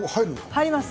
入ります。